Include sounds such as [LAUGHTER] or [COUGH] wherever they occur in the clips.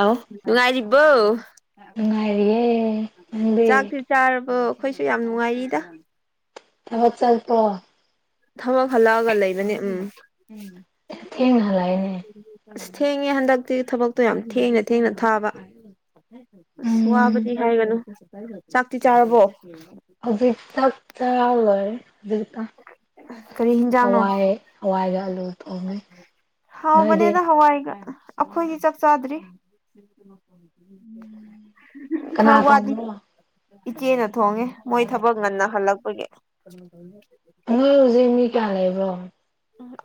ꯑꯥꯎ ꯨꯅꯨꯉꯥꯏꯔꯤꯕꯣ ꯅꯨꯡꯉꯥꯏꯔꯤꯌꯦ ꯅꯪꯗꯤ ꯆꯥꯛꯇꯤ ꯆꯥꯔꯕꯣ ꯑꯩꯈꯣꯏꯁꯨ ꯌꯥꯝ ꯅꯨꯡꯉꯥꯏꯔꯤꯗ ꯊꯕꯛ ꯆꯠꯄ꯭ꯔꯣ ꯊꯕꯛ ꯍꯜꯂꯛꯑꯒ ꯂꯩꯕꯅꯦ ꯎꯝ ꯊꯦꯡꯅ ꯍꯜꯂꯛꯑꯦꯅꯦ ꯑꯁ ꯊꯦꯡꯉꯦ ꯍꯟꯗꯛꯇꯤ ꯊꯕꯛꯇꯣ ꯌꯥꯝ ꯊꯦꯡꯅ ꯊꯦꯡꯅ ꯊꯥꯕ ꯑꯁ ꯎꯝ ꯋꯥꯕꯗꯤ ꯍꯥꯏꯒꯅꯨ ꯆꯥꯛꯇꯤ ꯆꯥꯔꯕꯣ ꯍꯧꯖꯤꯛ ꯆꯥꯛ ꯆꯥ ꯂꯣꯏ ꯍꯨꯖꯤꯛꯇ ꯀꯔꯤ ꯍꯤꯟꯖꯥꯡꯅꯣ ꯍꯋꯥꯥꯏ ꯍꯋꯥꯏꯒ ꯑꯂꯨ ꯊꯣꯡꯉꯦ ꯅꯣꯏꯗꯤ ꯍꯥꯎꯕꯅꯦꯗ ꯍꯋꯥꯢꯒ ꯑꯈꯣꯏꯗꯤ ꯆꯥꯛ ꯆꯥꯗ꯭ꯔꯤ ꯀꯅꯥ ꯈꯔ ꯋꯥꯠꯂꯤ ꯊꯣꯡꯕ꯭ꯔꯣ ꯏꯆꯦꯅ ꯊꯣꯡꯉꯦ ꯃꯣꯏ ꯊꯕꯛ ꯉꯟꯅ ꯍꯜꯂꯛꯄꯒꯤ ꯅꯣꯏ ꯍꯨꯖꯤꯛ ꯃꯤ ꯀꯌꯥ ꯂꯩꯕ꯭ꯔꯣ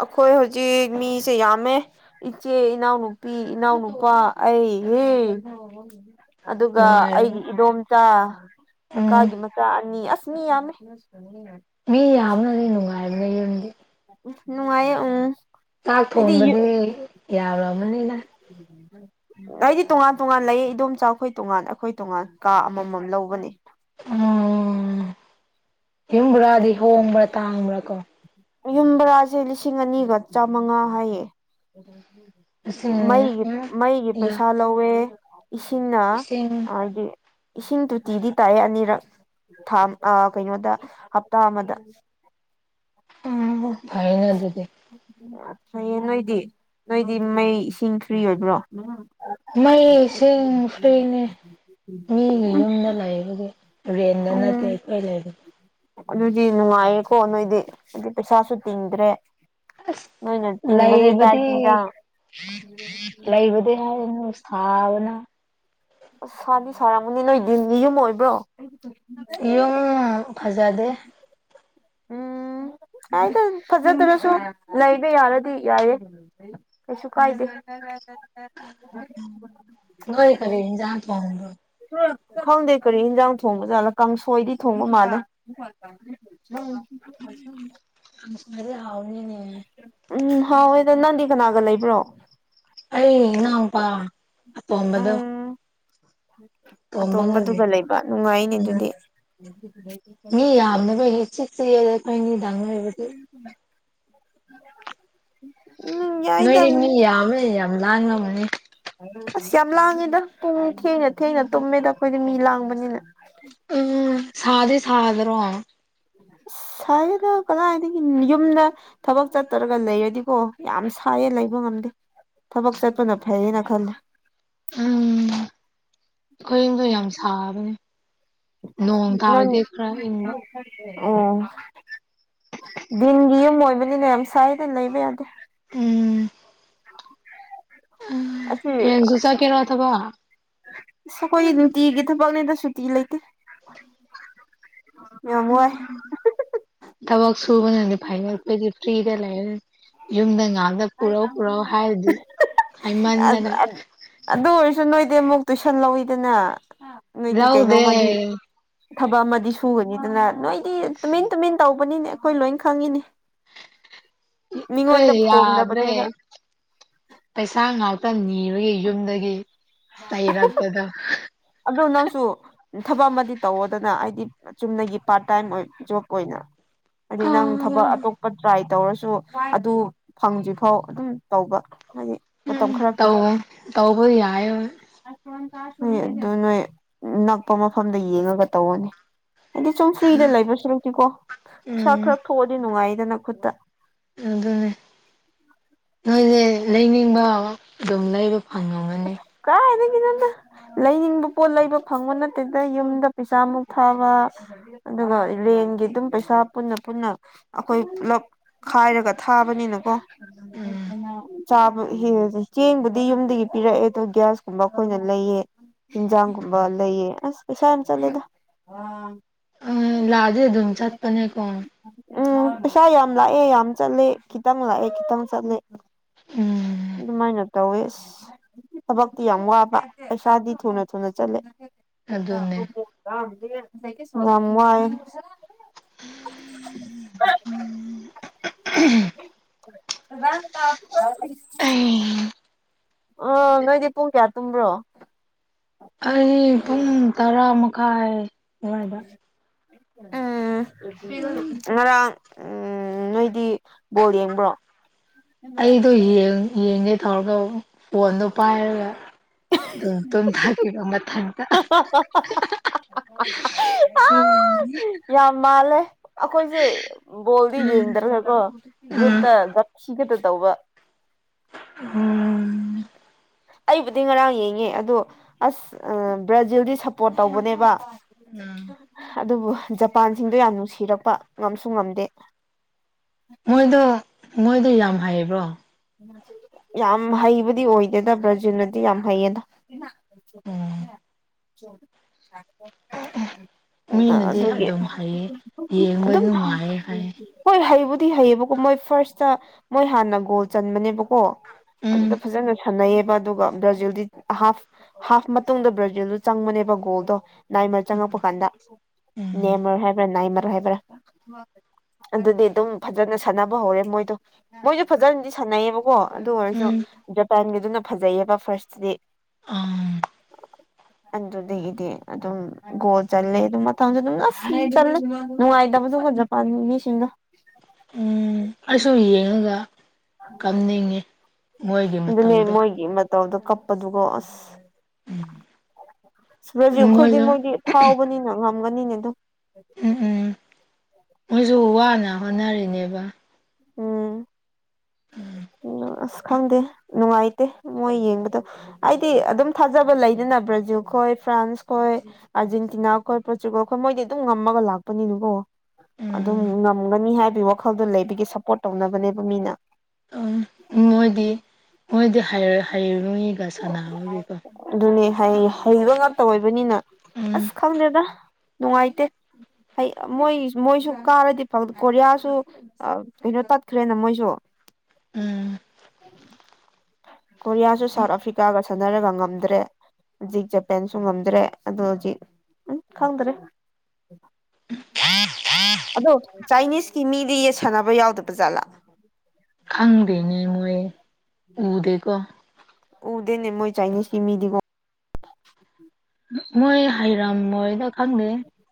ꯑꯈꯣꯏ ꯍꯨꯖꯤꯛ ꯃꯤꯁꯦ ꯌꯥꯝꯃꯦ ꯏꯆꯦ ꯏꯅꯥꯎꯅꯨꯄꯤ ꯏꯅꯥꯎꯅꯨꯄꯥ ꯑꯩꯍꯦ ꯑꯗꯨꯒ ꯅꯨꯡꯉꯥꯏꯔꯅꯤ ꯑꯩꯒꯤ ꯏꯗꯣꯝꯆꯥ ꯎꯝ ꯀꯀꯥꯒꯤ ꯃꯆꯥ ꯑꯅꯤ ꯑꯁ ꯃꯤ ꯌꯥꯝꯃꯦ [UNINTELLIGIBLE] ꯃꯤ ꯌꯥꯝꯕꯅꯗꯤ ꯅꯨꯡꯉꯥꯏ ꯅꯨꯉꯥꯢꯕꯅꯦ ꯌꯨꯝꯗꯤ ꯅꯨꯡꯉꯥꯏꯌꯦ ꯎꯝ ꯆꯥꯛ ꯑꯩꯗꯤ ꯊꯣꯟꯕꯗꯤ ꯌꯥꯔꯝꯕꯅꯤꯗ ꯎꯝ ꯑꯩꯗꯤ ꯇꯣꯉꯥꯟ-ꯇꯣꯉꯥꯟ ꯂꯩꯌꯦ ꯏꯗꯣꯝꯆꯥ ꯈꯣꯏ ꯇꯣꯉꯥꯟ ꯑꯩꯈꯣꯏ ꯇꯣꯉꯥꯟ ꯀꯥ ꯑꯃꯃꯝ ꯂꯧꯕꯅꯦ ꯎꯝ ꯌꯨꯝꯕ꯭ꯔꯥꯗꯤ ꯍꯣꯡꯕ꯭ꯔꯥ ꯇꯥꯡꯕ꯭ꯔꯥ ꯀꯣ ꯌꯨꯝꯕꯔꯥꯁꯦ ꯂꯤꯁꯤꯡ ꯑꯅꯤꯒ ꯆꯥꯃꯉꯥ ꯍꯥꯏꯌꯦ ꯂꯤꯁꯤꯡ [INAUDIBLE] ꯎꯝ ꯃꯩꯒꯤ-ꯃꯩꯒꯤ ꯌꯥ ꯄꯩꯁꯥ ꯂꯧꯋꯦ ꯏꯁꯤꯡꯅ ꯂꯤꯁꯤꯡ ꯍꯥꯏꯗꯤ ꯏꯁꯤꯡ ꯇꯣꯇꯤꯗꯤ ꯇꯥꯏꯌꯦ ꯑꯅꯤꯔꯛ ꯊꯥ ꯀꯩꯅꯣꯗ ꯍꯞꯇꯥ ꯑꯃꯗ ꯎꯝ ꯐꯏꯅ ꯑꯗꯨꯗꯤ ꯐꯩꯌꯦ ꯅꯣꯏꯗꯤ ꯅꯣꯏꯗꯤ ꯃꯩ ꯏꯁꯤꯡ ꯐ꯭ꯔꯤ ꯑꯣꯏꯕ꯭ꯔꯣ ꯃꯩꯏꯁꯤꯡ ꯐ꯭ꯔꯤꯅꯦ ꯃꯤꯒꯤ ꯌꯨꯝꯗ ꯂꯥꯏꯕꯒꯤ ꯔꯦꯟꯗ ꯅꯥꯠꯇꯦ ꯎꯝ ꯑꯩꯈꯣꯏ ꯂꯩꯕꯗꯣ ꯑꯗꯨꯗꯤ ꯅꯨꯡꯉꯥꯏꯌꯦꯀꯣ ꯅꯣꯏꯗꯤ ꯑꯗꯨꯗꯤ ꯄꯩꯁꯥꯁꯨ ꯇꯤꯡꯗ꯭ꯔꯦ ꯑꯁ ꯅꯣꯏꯅ ꯇꯤꯡꯕꯁꯦ ꯆꯥꯛ ꯂꯩꯕꯗꯤ ꯌꯦꯟꯖꯥꯡ ꯂꯩꯕꯗꯤ ꯍꯥꯏꯅꯨ ꯁꯥꯕꯅ ꯑꯁ ꯁꯥꯗꯤ ꯁꯥꯔꯝꯃꯅꯤ ꯅꯣꯏꯗꯤꯟ ꯌꯨꯝ ꯑꯣꯏꯕ꯭ꯔꯣ ꯌꯨꯝ ꯐꯖꯗꯦ ꯎꯝ ꯍꯥꯏꯗ ꯐꯖꯗ꯭ꯔꯁꯨ ꯂꯩꯕ ꯌꯥꯔꯗꯤ ꯌꯥꯏꯌꯦ ꯀꯩꯁꯨ ꯀꯥꯏꯗꯦ ꯉꯣꯏ ꯀꯅꯤ ꯌꯥ ꯊꯕ ꯈꯪꯗꯦ ꯀꯔꯤ ꯌꯦꯟꯖꯥꯡ ꯊꯣꯡꯕ ꯖꯥꯠꯂ ꯀꯥꯡꯁꯣꯏꯗꯤ ꯊꯣꯡꯕ ꯃꯥꯜꯂꯦ ꯍ ꯐꯩꯁ ꯑꯪ ꯁ ꯃꯔꯦ ꯍꯧꯥꯎꯅꯤꯅꯦꯅꯦ ꯎꯝ ꯍꯥꯎꯋꯦ ꯑꯗꯣ ꯅꯟꯗꯤ ꯀꯅꯥꯒ ꯂꯩꯕ꯭ꯔꯣ ꯑꯩ ꯏꯅꯥꯎꯄꯥ ꯑꯇꯣꯝꯕꯗꯣ ꯇꯣꯝꯕꯒ ꯂꯩ ꯑꯇꯣꯝꯕꯗꯨꯒ ꯂꯩꯕ ꯅꯨꯡꯉꯥꯏꯅꯦ ꯑꯗꯨꯗꯤ ꯎꯝ ꯃꯤ ꯌꯥꯝꯅ ꯑꯩꯈꯣꯏꯒꯤ ꯁꯤꯛꯁꯗ ꯑꯩꯈꯣꯏ ꯃꯤꯗꯥꯥꯡꯅꯔꯤꯕꯗꯤ [INAUDIBLE] ꯎꯝ ꯌꯥꯏꯗ ꯅꯣꯏꯗꯤ ꯃꯤ ꯌꯥꯝꯃꯦ ꯌꯥꯝ ꯂꯥꯡ ꯉ ꯑꯃꯅꯤꯅꯦ ꯑꯁ ꯌꯥꯝ ꯂꯥꯡꯉꯦꯗ ꯄꯨꯡ ꯊꯦꯡꯅ ꯊꯦꯡꯅ ꯇꯨꯝꯃꯦꯗ ꯑꯩꯈꯣꯏꯗꯤ ꯃꯤ ꯂꯥꯡꯕꯅꯤꯅ ꯎꯝ ꯁꯥꯗꯤ ꯁꯥꯗꯔꯣ ꯁꯥꯏꯗ ꯀꯗꯥꯏꯗꯒꯤ ꯌꯨꯝꯗ ꯊꯕꯛ ꯆꯠꯇꯔꯒ ꯂꯩꯔꯗꯤꯀꯣ ꯌꯥꯝ ꯁꯥꯏꯌꯦ ꯂꯩꯕ ꯉꯝꯗꯦ ꯊꯕꯛ ꯆꯠꯄꯅ ꯐꯩꯌꯦꯅ ꯈꯜꯂꯤ ꯎꯝ ꯑꯩꯈꯣꯏꯗꯣ ꯌꯥꯝ ꯁꯥꯕꯅꯦ ꯅꯣꯡ ꯅꯪ ꯀꯔꯗꯦ꯭ꯔ ꯏ ꯑꯣ ꯗꯤꯟꯒꯤ ꯌꯨꯝ ꯑꯣꯏꯕꯅꯤꯅ ꯌꯥꯝ ꯁꯥꯏꯗꯅ ꯂꯩꯕ ꯌꯥꯗꯦ ꯎꯝ ꯑꯁꯤ ꯎ ꯐꯖꯨꯁꯥ ꯀꯦꯔꯣ ꯑꯊꯕ ꯑꯩꯈꯣꯏ ꯅꯨꯡꯇꯤꯒꯤ ꯊꯕꯛꯅꯦꯗ ꯁꯨꯇꯤ ꯂꯩꯇꯦ ꯌꯥꯝꯃꯥꯏ ꯇꯕꯁꯨꯨꯕꯅꯅꯤ ꯐꯥꯏꯄ ꯐꯔꯤꯗ ꯂꯩ ꯌꯨꯝꯗ ꯉꯥꯛꯗ ꯄꯨꯔꯛ ꯄꯨꯔꯛꯎ ꯍꯥꯏꯔꯗꯤ ꯍꯥꯏꯃꯟꯗꯅ ꯑꯗꯨ ꯑꯣꯏꯔꯁꯨ ꯅꯣꯏꯗꯤ ꯑꯃꯨꯛ ꯇꯨꯏꯁꯟ ꯂꯧꯋꯤꯗꯅ ꯅꯣꯏꯒꯤ ꯂꯧꯗꯦ ꯀꯩꯅꯣꯃꯗꯤ ꯑꯩꯈꯣꯏ ꯊꯕꯛ ꯑꯃꯗꯤ ꯁꯨꯒꯅꯤꯗꯅ ꯅꯣꯏꯗꯤ ꯇꯨꯃꯤꯟ ꯇꯨꯃꯤꯟ ꯇꯧꯕꯅꯤꯅꯦ ꯑꯩꯈꯣꯏ ꯂꯣꯏ ꯈꯪꯉꯤꯅꯤ ꯀꯣꯏ ꯌꯥꯗ꯭ꯔꯦ ꯐꯣꯡꯗꯕꯅꯦꯕ ꯄꯩꯁꯥ ꯉꯥꯛꯇ ꯅꯤꯔꯒ ꯌꯨꯝꯗꯒꯤ [UNINTELLIGIBLE] ꯑꯗꯨꯗ ꯑꯗꯨꯗꯣ ꯅꯁꯨ ꯊꯕꯛ ꯑꯃꯗꯤ ꯇꯧꯋꯗꯅ ꯍꯥꯏꯗꯤ ꯆꯨꯝꯅꯒꯤ ꯄꯥꯔꯠ ꯇꯥꯏꯝ ꯖꯣꯕ ꯑꯣꯏꯅ ꯍꯥꯏꯗꯤ ꯑ ꯅꯪ ꯊꯕꯛ ꯑꯇꯣꯞ ꯇ꯭ꯔꯥꯏ ꯇꯧꯔꯁꯨ ꯑꯗꯨ ꯐꯪꯗ꯭ꯔꯤꯐꯥꯎ ꯑꯗꯨꯝ ꯇꯧꯕ ꯍꯥꯏꯗꯤ ꯃꯇꯝ ꯎꯝ ꯈꯔꯒꯤ ꯇꯧ ꯇꯧꯕꯧꯕ ꯌꯥꯏꯦ ꯍꯣꯏ ꯑꯗꯨ ꯅꯣꯏ ꯅꯛꯄ ꯃꯐꯝꯗ ꯌꯦꯡꯉꯒ ꯇꯧꯅꯤ ꯍꯥꯏꯗꯤ ꯁꯨꯝ ꯐ꯭ꯔꯤꯗ ꯂꯩꯕꯁꯨꯔꯛꯇꯀꯣ ꯄꯩꯁꯥ ꯎꯝ ꯈꯔ ꯊꯣꯛꯑꯗꯤ ꯅꯨꯡꯉꯥꯏꯗꯅ ꯈꯨꯠꯇ ꯑꯗꯨꯅꯦ ꯅꯣꯏꯁꯦ ꯂꯩꯅꯤꯡꯕ ꯑꯗꯨꯝ ꯂꯩꯕ ꯐꯪꯉꯝꯒꯅꯤ ꯀꯗꯒꯤꯦ ꯅꯟꯅ ꯂꯩꯅꯤꯡꯕ ꯄꯣꯠ ꯂꯩꯕ ꯐꯪꯕ ꯅꯠꯇꯗ ꯌꯨꯝꯗ ꯄꯩꯁꯥ ꯃꯨꯛ ꯊꯥꯕ ꯑꯗꯨꯒ ꯔꯦꯟꯒꯤ ꯑꯗꯨꯝ ꯄꯩꯁꯥ ꯄꯨꯟꯅ ꯄꯨꯟꯅ ꯑꯩꯈꯣꯏ ꯄꯨꯞ ꯈꯥꯏꯔꯒ ꯊꯥꯕꯅꯤꯅꯀꯣ ꯎꯝ ꯆꯥ ꯆꯦꯡꯕꯨꯗꯤ ꯌꯨꯝꯗꯒꯤ ꯄꯤꯔꯛꯑꯦ ꯑ ꯒ꯭ꯌꯥꯁ ꯀꯨꯝꯕ ꯑꯩꯈꯣꯏꯅ ꯂꯩꯑ ꯌꯦꯟꯖꯥꯡꯒꯨꯝꯕ ꯂꯩꯑ ꯑꯁ ꯀꯁꯥꯅ ꯆꯂꯗ ꯑ ꯂꯗꯦ ꯑꯗꯨꯝ ꯆꯠꯄꯅꯦꯀꯣ ꯎꯝ ꯄꯩꯁꯥ ꯌꯥꯝ ꯂꯥꯛꯑꯦ ꯌꯥꯝ ꯆꯠꯂꯦ ꯈꯤꯇꯪ ꯂꯥꯛꯑꯦ ꯈꯤꯇꯪ ꯆꯠꯂꯦ ꯎꯝ ꯑꯗꯨꯃꯥꯏꯅ ꯇꯧꯋꯦ ꯑꯁ ꯊꯕꯛꯇꯤ ꯌꯥꯝ ꯋꯥꯕ ꯄꯩꯁꯥꯗꯤ ꯊꯨꯅ ꯊꯨꯅ ꯆꯠꯂꯦ ꯑꯗꯨꯅꯦ ꯉꯃꯥꯏ [INAUDIBLE] [UNINTELLIGIBLE] ꯎꯝ ꯑ ꯅꯣꯏꯗꯤ ꯄꯨꯡ ꯀꯌꯥ ꯇꯨꯝꯕ꯭ꯔꯣ ꯑꯩ ꯄꯨꯡ ꯇꯔꯥ ꯃꯈꯥꯏ ꯑꯗꯨꯋꯥꯏꯗ ꯎꯝ ꯉꯔꯥꯡ ꯎ ꯅꯣꯏꯗꯤ ꯕꯣꯜ ꯌꯦꯡꯕ꯭ꯔꯣ ꯑꯩꯗꯣ ꯌꯦꯡꯒꯦ ꯊꯧꯔꯒ ꯐꯣꯟꯗꯣ ꯄꯥꯏꯔꯒ ꯑ ꯇꯣꯝ ꯍꯥꯏꯕ ꯃꯟꯇ ꯎꯝ ꯌꯥꯝ ꯃꯥꯜꯂꯦ ꯑꯩꯈꯣꯏꯁꯦ ꯕꯣꯜꯗꯤ ꯌꯦꯡꯗ꯭ꯔꯒꯀꯣ ꯎꯝ ꯒ꯭ꯔꯨꯞꯇ ꯁꯤꯒꯇ ꯇꯧꯕ ꯎꯝ ꯑꯩꯕꯨꯗꯤ ꯉꯔꯥꯡ ꯌꯦꯡꯉꯦ ꯑꯗꯣ ꯑꯁ ꯕ꯭ꯔꯥꯖꯤꯜꯗꯤ ꯁꯞꯄꯣꯔꯠ ꯇꯧꯕꯅꯦꯕ ꯎꯝ ꯑꯗꯨꯕꯨ ꯖꯄꯥꯟꯁꯤꯡꯗꯣ ꯌꯥꯝ ꯅꯨꯡꯁꯤꯔꯛꯄ ꯉꯝꯁꯨ ꯉꯝꯗꯦ ꯃꯣꯏꯗꯣ ꯃꯣꯏꯗꯣ ꯌꯥꯝ ꯍꯩꯕ꯭ꯔꯣ ꯌꯥꯝ ꯍꯩꯕꯗꯤ ꯑꯣꯏꯗꯦꯗ ꯕ꯭ꯔꯥꯖꯤꯜꯅꯗꯤ ꯌꯥꯝ ꯍꯩꯌꯦꯗ [INAUDIBLE] ꯎꯝ ꯃꯤꯅꯗꯤ ꯑꯗꯨꯒꯤ ꯑꯗꯨꯝ ꯍꯩꯌꯦ ꯌꯦꯡꯕ ꯑꯗꯨꯝ ꯅꯨꯡꯉꯥꯏꯌꯦ ꯍꯥꯏ ꯍꯣꯏ ꯍꯩꯕꯨꯗꯤ ꯍꯩꯌꯦꯕꯀꯣ ꯃꯣꯏ ꯐꯥꯔꯁꯇ ꯃꯣꯏ ꯍꯥꯟꯅ ꯒꯣꯜ ꯆꯟꯕꯅꯦꯕꯀꯣ ꯎꯝ ꯑꯗꯨꯗ ꯐꯖꯅ ꯁꯥꯟꯅꯩꯌꯦꯕ ꯑꯗꯨꯒ ꯕ꯭ꯔꯥꯖꯤꯜꯗꯤ ꯍꯥꯐ ꯍꯥꯐ ꯃꯇꯨꯡꯗ ꯕ꯭ꯔꯥꯖꯤꯜꯗ ꯆꯪꯕꯅꯦꯕ ꯒꯣꯜꯗꯣ ꯅꯥꯏꯃꯔ ꯆꯪꯉꯛꯄ ꯀꯥꯟꯗ ꯎꯝ ꯅꯦꯝꯃꯔꯣ ꯍꯥꯏꯕ꯭ꯔꯥ ꯅꯥꯏꯃꯔꯣꯏ ꯍꯥꯏꯕ꯭ꯔꯥ ꯑꯗꯨꯗꯤ ꯑꯗꯨꯝ ꯐꯖꯅ ꯁꯥꯟꯅꯕ ꯍꯧꯔꯦ ꯃꯣꯏꯗꯣ ꯃꯣꯏꯁꯨ ꯐꯖꯅꯗꯤ ꯁꯥꯟꯅꯩꯌꯦꯕꯀꯣ ꯑꯗꯨ ꯑꯣꯏꯔꯁꯨ ꯎꯝ ꯖꯄꯥꯟꯒꯤꯗꯨꯅ ꯐꯖꯩꯌꯦꯕ ꯐꯥꯔꯁꯇꯗꯤ ꯑꯥ ꯑꯗꯨꯗꯒꯤꯗꯤ ꯑꯗꯨꯝ ꯒꯣꯜ ꯆꯂꯦ ꯑꯗꯨꯝ ꯃꯊꯪꯁꯨ ꯑꯗꯨꯝ ꯆꯂꯦ ꯅꯨꯡꯉꯥꯏꯇꯕꯗꯨ ꯖꯄꯥꯟ ꯃꯤꯁꯤꯡꯗ ꯎ ꯑꯩꯁꯨ ꯌꯦꯡꯉꯒ ꯀꯝꯅꯤꯡꯉꯤ ꯃꯣꯏꯒꯤ ꯃꯇꯧꯗ ꯇꯧꯗ ꯀꯞꯄꯗꯨꯒꯣ ꯑꯁ ꯑ ꯔꯖꯤ ꯑꯩꯈꯣꯏꯗꯤ ꯃꯣꯏꯁꯨ ꯃꯣꯏꯗꯤ ꯐꯥꯎꯕꯅꯤꯅ ꯉꯝꯒꯅꯤꯅꯦ ꯑꯗꯨ ꯎꯝ ꯎꯝ ꯃꯣꯏꯁꯨ ꯋꯥꯅ ꯍꯣꯠꯅꯔꯤꯅꯦꯕ [INAUDIBLE] ꯎꯝ ꯑꯁ ꯈꯪꯗꯦ ꯅꯨꯡꯉꯥꯏꯇꯦ ꯃꯣꯏ ꯌꯦꯡꯕꯗ ꯑꯩꯗꯤ ꯑꯗꯨꯝ ꯊꯥꯖꯕ ꯂꯩꯗꯅ ꯕ꯭ꯔꯥꯖꯤꯜ ꯈꯣꯏ ꯐ꯭ꯔꯥꯟꯁ ꯈꯣꯏ ꯑꯥꯔꯖꯦꯟꯇꯤꯅꯥ ꯈꯣꯏ ꯄ꯭ꯔꯣꯇꯨꯒꯜ ꯈꯣꯏ ꯃꯣꯏꯗꯤ ꯑꯗꯨꯝ ꯉꯝꯃꯒ ꯂꯥꯛꯄꯅꯤꯅꯀꯣ ꯑꯗꯨꯝ ꯎꯝ ꯉꯝꯒꯅꯤ ꯍꯥꯏꯕꯒꯤ ꯋꯥꯈꯜꯗꯣ ꯂꯩꯕꯒꯤ ꯁꯞꯄꯣꯔꯠ ꯇꯧꯅꯕꯅꯦꯕ ꯃꯤꯅ ꯃꯣꯏꯗꯤ ꯃꯣꯏꯗꯤ ꯍꯥꯏꯔꯨ ꯅꯣꯏꯒ ꯁꯥꯟꯅꯕꯒꯤꯀꯣ ꯑꯗꯨꯅꯦ ꯍꯩꯕ ꯉꯥꯛꯇ ꯑꯣꯏꯕꯅꯤꯅ ꯎꯝ ꯑꯁ ꯈꯪꯗꯦꯗ ꯅꯨꯡꯉꯥꯏꯇꯦ ꯍꯩ ꯃꯣꯏ ꯃꯣꯏꯁꯨ ꯀꯥꯔꯗꯤ ꯀꯣꯔꯤꯌꯥꯁꯨ ꯑ ꯀꯩꯅꯣ ꯇꯠꯈ꯭ꯔꯦꯅ ꯃꯣꯏꯁꯨ ꯎꯝ ꯀꯣꯔꯤꯌꯥꯁꯨ ꯁꯥꯎꯠ ꯑꯐ꯭ꯔꯤꯀꯥꯒ ꯁꯥꯟꯅꯔꯒ ꯉꯝꯗ꯭ꯔꯦ ꯍꯧꯖꯤꯛ ꯖꯄꯦꯟꯁꯨ ꯉꯝꯗ꯭ꯔꯦ ꯑꯗꯣ ꯍꯧꯖꯤꯛ ꯎꯝ ꯈꯪꯗ꯭ꯔꯦ ꯍꯥ ꯍꯥ [UNINTELLIGIBLE] ꯑꯗꯣ ꯆꯥꯏꯅꯤꯁꯀꯤ ꯃꯤꯗꯤ ꯁꯥꯟꯅꯕ ꯌꯥꯎꯗꯕ ꯖꯥꯠꯂꯥ [INAUDIBLE] ꯈꯪꯗꯦꯅꯦ ꯃꯣꯏ ꯎꯗꯦꯀꯣ ꯎꯗꯦꯅꯦ ꯃꯣꯏ ꯆꯥꯏꯅꯤꯁꯀꯤꯃꯤꯗꯤꯀꯣ ꯃꯣꯏ ꯍꯩꯔꯝ ꯃꯣꯏꯗ ꯈꯪꯗꯦ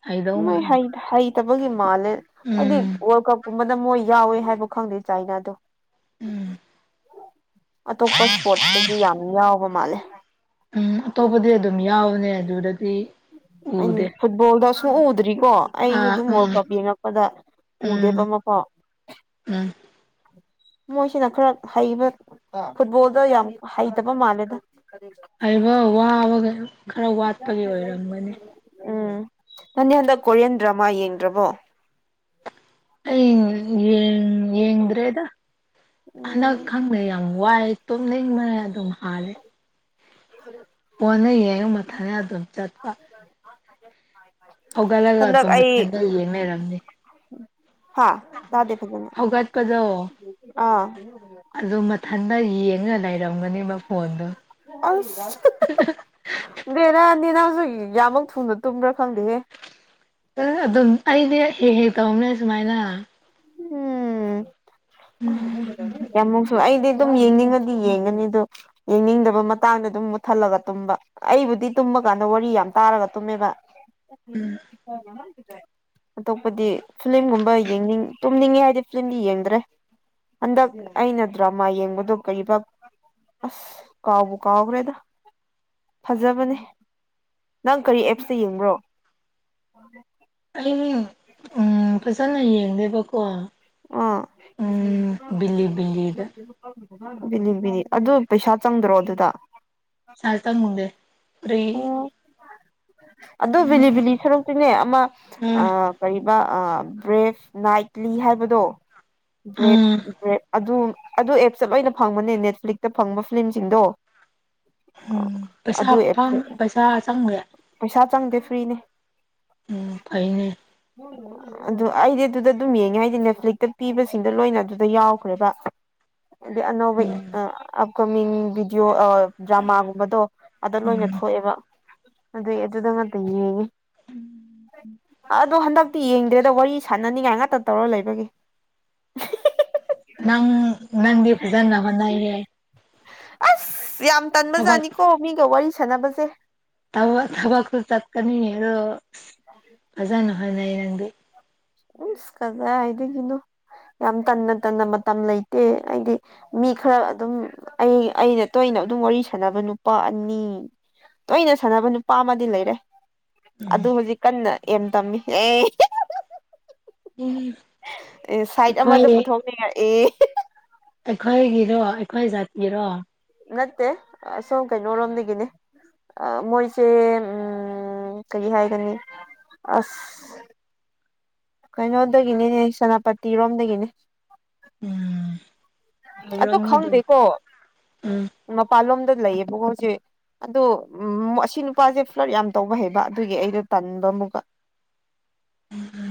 ꯍꯩꯗꯧ ꯃꯣꯏ ꯃꯥꯟꯗꯦ ꯍꯩ ꯍꯩꯇꯕꯒꯤ ꯃꯥꯜꯂꯦ ꯍꯥꯏꯗꯤ ꯎꯝ ꯋꯥꯔꯜ ꯀꯞ ꯀꯨꯝꯕꯗ ꯃꯣꯏ ꯌꯥꯎꯋꯦ ꯍꯥꯏꯕ ꯈꯪꯗꯦ ꯆꯥꯏꯅꯥꯗꯣ ꯎꯝ ꯑꯇꯣꯞꯄ ꯏꯁꯄꯣꯠꯇꯗꯤ ꯌꯥꯝ ꯌꯥꯎꯕ ꯃꯥꯜꯂꯦ ꯎꯝ ꯑꯇꯣꯞꯄꯗꯤ ꯑꯗꯨꯝ ꯌꯥꯎꯕꯅꯦ ꯑꯗꯨꯗꯗꯤ ꯎꯝ ꯎꯗꯦ ꯐꯨꯠꯕꯣꯜꯗ ꯁꯨꯛ ꯎ ꯎꯗ꯭ꯔꯤꯀꯣ ꯑꯩꯁꯨ ꯑꯥ ꯑꯗꯨꯝ ꯋꯥꯔꯜ ꯎꯝ ꯀꯞ ꯌꯦꯡꯉꯛꯄꯗ ꯎꯝ ꯎꯗꯦꯕ ꯑꯃꯐꯥꯎ ꯎꯝ ꯃꯣꯏꯁꯤꯅ ꯈꯔ ꯍꯩꯕ ꯐꯨꯠꯕꯣꯜꯗ ꯌꯥꯝ ꯍꯩꯇꯕ ꯃꯥꯜꯂꯦꯗ ꯍꯩꯕ ꯋꯥꯕꯒ ꯈꯔ ꯋꯥꯠꯄꯒꯤ ꯑꯣꯏꯔꯝꯒꯅꯤ ꯎꯝ ꯅꯪꯗꯤ ꯍꯟꯗꯛ ꯀꯣꯔꯤꯌꯟ ꯗ꯭ꯔꯃꯥ ꯌꯦꯡꯗ꯭ꯔꯕꯣ ꯑꯩ ꯌꯦꯡ ꯌꯦꯡꯗ꯭ꯔꯦꯗ ꯍꯟꯗꯛ ꯎꯝ ꯈꯪꯗꯦ ꯌꯥꯝ ꯋꯥꯏ ꯇꯨꯝꯅꯤꯡꯕꯅ ꯑꯗꯨꯝ ꯍꯥꯜꯂꯦ ꯍ [UNINTELLIGIBLE] ꯀꯣꯟꯅ ꯌꯦꯡꯉꯨ ꯃꯊꯟꯗ ꯑꯗꯨꯝ ꯆꯠꯀ [UNINTELLIGIBLE] ꯍꯧꯒꯂꯒ [UNINTELLIGIBLE] [UNINTELLIGIBLE] ꯌꯦꯡꯂꯩꯔꯝꯅꯤ ꯍꯥꯥ ꯇꯥꯗꯧ ꯐꯖꯟꯅ ꯍꯧꯒꯠꯄꯗꯣ ꯑꯥ ꯑꯗꯨ ꯃꯊꯟꯇ ꯌꯦꯡꯉ ꯂꯩꯔꯝꯒꯅꯤꯕ ꯑꯁ [UNINTELLIGIBLE] ꯕꯦꯔꯤꯅꯦ ꯅꯪꯁꯨ ꯀꯌꯥꯝꯃꯨꯛ ꯊꯨꯅ ꯇꯨꯝꯕ꯭ꯔꯥ ꯈꯪꯗꯦꯍꯦ ꯑꯗꯨꯝ ꯑꯩꯗꯤ ꯍꯦꯛ ꯍꯦꯛ ꯇꯧꯕꯅꯦ ꯁꯨꯃꯥꯏꯅ ꯎꯝ ꯌꯥꯝꯃꯨꯛꯁꯨ ꯑꯩꯗꯤ ꯑꯗꯨꯝ ꯌꯦꯡꯅꯤꯡꯉꯗꯤ ꯌꯦꯡꯒꯅꯤ ꯑꯗꯨ ꯌꯦꯡꯅꯤꯡꯗꯕ ꯃꯇꯥꯡꯗ ꯑꯗꯨꯝ ꯃꯨꯠꯊꯠꯂꯒ ꯇꯨꯝꯕ ꯑꯩꯕꯨꯗꯤ ꯇꯨꯝꯕ ꯀꯥꯟꯗ ꯋꯥꯔꯤ ꯌꯥꯝ ꯇꯥꯔꯒ ꯇꯨꯝꯃꯦꯕ ꯑꯇꯣꯞꯄꯗꯤ ꯐꯤꯂꯝꯒꯨꯝꯕ ꯌꯦꯡꯅꯤꯡ ꯇꯨꯝꯅꯤꯡꯉꯦ ꯍꯥꯏꯗꯤ ꯐꯤꯂꯝꯗꯤ ꯌꯦꯡꯗ꯭ꯔꯦ ꯍꯟꯗꯛ ꯑꯩꯅ ꯗ꯭ꯔꯃꯥ ꯌꯦꯡꯕꯗꯣ ꯀꯔꯤꯕ ꯑꯁ ꯀꯥꯎꯕꯨ ꯀꯥꯎꯈ꯭ꯔꯦꯗ ꯐꯖꯕꯅꯦ ꯅꯪ ꯀꯔꯤ ꯑꯦꯞꯁꯇ ꯌꯦꯡꯕ꯭ꯔꯣ ꯑꯩ ꯎꯝ ꯐꯖꯅ ꯌꯦꯡꯗꯦꯕꯀꯣ ꯑꯥ ꯎꯝ ꯕꯤꯂꯤ ꯕꯤꯂꯤꯗ [UNINTELLIGIBLE] ꯕꯤꯅꯤ ꯕꯤꯅꯤ ꯑꯗꯨ ꯄꯩꯁꯥ ꯆꯪꯗ꯭ꯔꯣ ꯑꯗꯨꯗ [UNINTELLIGIBLE] [UNINTELLIGIBLE] [INAUDIBLE] ꯑꯗꯣ ꯕꯤꯂꯤ ꯕꯤꯂꯤ ꯁꯔꯨꯛꯇꯤꯅꯦ ꯑꯃ ꯑ ꯎꯝ ꯀꯩꯕ ꯑ ꯕ꯭ꯔꯦꯐ ꯅꯥꯏꯠꯂꯤ ꯍꯥꯏꯕꯗꯣ ꯕ꯭ꯔꯦꯐ ꯎꯝ ꯕ꯭ꯔꯦꯐ ꯑꯗꯨ ꯑꯗꯨ ꯑꯦꯞꯇ ꯂꯣꯏꯅ ꯐꯪꯕꯅꯦ ꯅꯦꯠꯐ꯭ꯂꯤꯛꯁꯇ ꯐꯪꯕ ꯐꯤꯂꯝꯁꯤꯡꯗꯣ ꯎꯝ ꯄꯩꯁ ꯑꯗꯨ ꯑꯦꯞꯁ ꯄꯩꯁꯥ ꯆꯪꯉꯦ ꯄꯩꯁꯥ ꯆꯪꯗꯦ ꯐ꯭ꯔꯤꯅꯦ ꯎꯝ ꯐꯩꯅꯦ ꯎꯝ [UNINTELLIGIBLE] ꯑꯗꯨ ꯑꯩꯗꯤ ꯑꯗꯨꯗ ꯑꯗꯨꯝ ꯌꯦꯡꯉꯦ ꯍꯥꯏꯗꯤ ꯅꯦꯠꯐ꯭ꯂꯤꯛꯇ ꯄꯤꯕꯁꯤꯡꯗ ꯂꯣꯏꯅ ꯑꯗꯨꯗ ꯌꯥꯎꯈ꯭ꯔꯦꯕ ꯑꯗꯤ ꯑꯅꯧꯕ ꯎꯝ ꯑꯞꯀꯃꯤꯡ ꯚꯤꯗꯤꯑꯣ ꯗ꯭ꯔꯃꯥꯒꯨꯝꯕꯗꯣ ꯑꯗ ꯂꯣꯏꯅ ꯎꯝ ꯑꯗꯩ ꯑꯗꯨꯗ ꯉꯛꯇ ꯌꯦꯡꯏ ꯑꯗꯣ ꯍꯟꯗꯛꯇꯤ ꯌꯦꯡꯗ꯭ꯔꯦꯗ ꯋꯥꯔꯤ ꯁꯥꯟꯅꯅꯤꯡꯉꯥꯏ ꯉꯥꯛꯇ ꯇꯧꯔ ꯂꯩꯕꯒꯤ ꯅꯪ ꯅꯪꯗꯤ ꯐꯖꯥꯅ ꯍꯣꯠꯅꯩꯌꯦ ꯑꯁ ꯌꯥꯝ ꯇꯟꯕꯖꯥꯠꯅꯤꯀꯣ ꯃꯤꯒ ꯋꯥꯔꯤ ꯁꯥꯟꯅꯕꯖꯦ ꯊꯕꯛꯇꯨ ꯆꯠꯀꯅꯤ ꯑꯗꯣ ꯐꯖꯅ ꯍꯣꯠꯅꯩ ꯅꯪꯗꯤ ꯏꯁꯁ ꯀꯗꯥꯏꯗꯒꯤꯅꯣ ꯌꯥꯝ ꯇꯟꯅ ꯇꯟꯅ ꯃꯇꯝ ꯂꯩꯇꯦ ꯑꯩꯗꯤ ꯃꯤ ꯈꯔ ꯑꯗꯨꯝ ꯑꯩ ꯑꯩꯅ ꯇꯣꯏꯅ ꯑꯗꯨꯝ ꯋꯥꯔꯤ ꯁꯥꯟꯅꯕ ꯅꯨꯄꯥ ꯑꯅꯤ ꯇꯣꯏꯅ ꯁꯥꯟꯅꯕ ꯅꯨꯄꯥ ꯑꯃꯗꯤ ꯂꯩꯔꯦ ꯑꯗꯨ ꯎꯝ ꯍꯧꯖꯤꯛ ꯀꯟꯅ ꯑꯦꯝ ꯇꯝꯃꯤ ꯑꯦ ꯎꯝ ꯑꯦ ꯁꯥꯏꯠ ꯑꯃꯗ ꯄꯨꯊꯣꯛꯅꯤꯡꯉꯛ ꯑꯦ ꯑꯩꯈꯣꯏꯒꯤꯔꯣ ꯑꯩꯈꯣꯏ ꯖꯥꯠꯀꯤꯔꯣ ꯅꯠꯇꯦ ꯑꯁꯣꯝ ꯀꯩꯅꯣꯔꯣꯝꯗꯒꯤꯅꯦ ꯑ ꯃꯣꯏꯁꯦ ꯎꯝ ꯀꯔꯤ ꯍꯥꯏꯒꯅꯤ ꯑꯁ ꯀꯩꯅꯣꯗꯒꯤꯅꯦꯍꯦ ꯁꯦꯅꯥꯄꯇꯤꯔꯣꯝꯗꯒꯤꯅꯦ ꯎꯝ ꯐꯕ꯭ꯔꯣ ꯑꯗꯨ ꯃꯤꯗꯣ ꯈꯪꯗꯦꯀꯣ ꯎꯝ ꯃꯄꯥꯟꯂꯣꯝꯗ ꯂꯩꯌꯦꯕꯣ ꯍꯧꯖꯤꯛ ꯑꯗꯣ ꯑꯁꯤ ꯅꯨꯄꯥꯁꯦ ꯐ꯭ꯂꯠ ꯌꯥꯝ ꯇꯧꯕ ꯍꯩꯕ ꯑꯗꯨꯒꯤ ꯑꯩꯗꯣ ꯇꯟꯕ ꯑꯃꯨꯛꯀ [INAUDIBLE]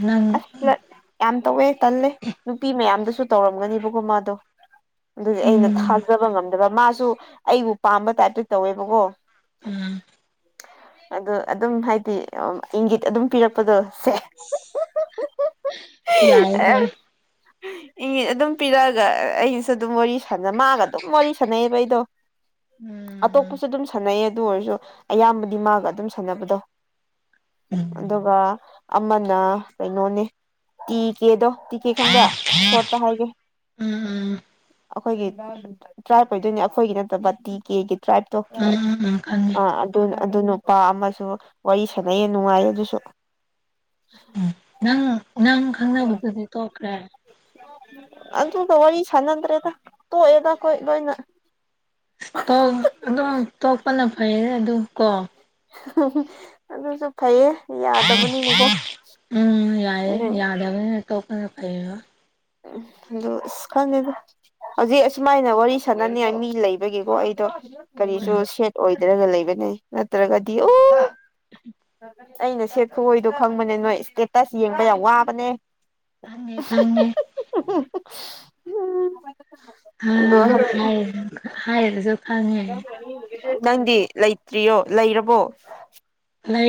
ꯅꯪ ꯑꯁꯂ [UNINTELLIGIBLE] ꯌꯥꯝ ꯇꯧꯋꯦ ꯇꯜꯂꯦ ꯅꯨꯄꯤ ꯃꯌꯥꯝꯗꯁꯨ ꯇꯧꯔꯝꯒꯅꯤꯕꯀꯣ ꯃꯥꯗꯣ ꯑꯗꯨꯗꯤ ꯑꯩꯅ ꯎꯝ ꯊꯥꯖꯕ ꯉꯝꯗꯕ ꯃꯥꯁꯨ ꯑꯩꯕꯨ ꯄꯥꯝꯕ ꯇꯥꯏꯞꯇ ꯇꯧꯋꯦꯕꯀꯣ ꯎꯝ ꯑꯗꯨ ꯑꯗꯨꯝ ꯍꯥꯏꯗꯤ ꯏꯪꯒꯤꯠ ꯑꯗꯨꯝ ꯄꯤꯔꯛꯄꯗꯣ ꯁꯦ ꯌꯥꯏꯅꯦ ꯏꯪꯒꯤꯠ ꯑꯗꯨꯝ ꯄꯤꯔꯛꯑꯒ ꯑꯩꯒꯤꯁꯨ ꯑꯗꯨꯝ ꯋꯥꯔꯤ ꯁꯥꯟꯅ ꯃꯥꯒ ꯑꯗꯨꯝ ꯋꯥꯔꯤ ꯁꯥꯟꯅꯩꯑꯦꯕ ꯑꯩꯗꯣ ꯎꯝ ꯑꯇꯣꯞꯄꯁꯨ ꯑꯗꯨꯝ ꯁꯥꯟꯅꯩ ꯑꯗꯨ ꯑꯣꯏꯔꯁꯨ ꯑꯌꯥꯝꯕꯗꯤ ꯃꯥꯒ ꯑꯗꯨꯝ ꯁꯥꯟꯅꯕꯗꯣ ꯎꯝ ꯑꯗꯨꯒ ꯑꯃꯅ ꯀꯩꯅꯣꯅꯦ ꯇꯤ ꯀꯦꯗꯣ ꯇꯤꯀꯦ ꯈꯪꯕ꯭ꯔꯥ ꯁꯣꯔꯠꯇ ꯍꯥꯏꯒꯦ ꯎꯝ ꯎꯝ ꯑꯩꯈꯣꯏꯒꯤ ꯇ꯭ꯔꯥꯏꯞ ꯑꯣꯏꯗꯣꯏꯅꯤ ꯑꯩꯈꯣꯏꯒꯤ ꯅꯠꯇꯕ ꯇꯤ ꯀꯦꯒꯤ ꯇ꯭ꯔꯥꯏꯞ ꯎꯝ ꯎꯝ ꯎꯝ ꯈꯪꯉꯦ ꯑꯥ ꯑꯗꯨ ꯑꯗꯨ ꯅꯨꯄꯥ ꯑꯃꯁꯨ ꯋꯥꯔꯤ ꯁꯥꯟꯅꯩꯌꯦ ꯅꯨꯡꯉꯥꯏ ꯑꯗꯨꯁꯨ ꯎꯝ ꯅꯪ ꯅꯪ ꯈꯪꯅꯕꯗꯨꯗꯤ ꯇꯣꯛꯈ꯭ꯔꯦ ꯑꯗꯨꯒ ꯋꯥꯔꯤ ꯁꯅꯗ꯭ꯔꯦꯗ ꯇꯣꯛꯑꯦꯗ ꯀꯣꯏ ꯂꯣꯏꯅ ꯑꯗꯨꯝ ꯇꯣꯛꯄꯅ ꯐꯩꯌꯦ ꯑꯗꯨ ꯀꯣ ꯑꯗꯨꯁꯨ ꯐꯩꯌꯦ ꯌꯥꯗꯕꯅꯤꯅꯀꯣ ꯎꯝ ꯌꯥꯏꯌꯦ ꯎꯝ ꯌꯥꯗꯕꯅꯤꯅ ꯇꯣꯛꯄꯅ ꯐꯩꯌꯦ ꯑꯗꯣ ꯑꯁ ꯈꯪꯗꯦꯗ ꯍꯧꯖꯤꯛ ꯑꯁꯨꯃꯥꯏꯅ ꯋꯥꯔꯤ ꯁꯥꯟꯅꯅꯤꯡꯉꯥꯏ ꯃꯤ ꯂꯩꯕꯒꯤꯀꯣ ꯑꯩꯗꯣ ꯀꯔꯤꯁꯨ ꯎꯝ ꯁꯦꯠ ꯑꯣꯏꯗ ꯍꯥꯏꯗꯔꯒ ꯂꯩꯕꯅꯦ ꯅꯠꯇ꯭ꯔꯒꯗꯤ ꯑꯣ ꯑꯩꯅ ꯁꯦꯠ ꯈꯨꯍꯣꯏꯗꯣ ꯈꯪꯕꯅꯦ ꯅꯣꯏ ꯏꯁꯇꯦꯇꯁ ꯌꯦꯡꯕ ꯌꯥꯝ ꯋꯥꯕꯅꯦ ꯈꯪꯉꯦ ꯈꯪꯉꯦ ꯎꯝ ꯑ ꯍꯥꯏ ꯍꯥꯏ ꯅꯪꯗꯤ ꯂꯩꯇ꯭ꯔꯤꯌꯣ ꯂꯩꯔꯕꯣ ꯑ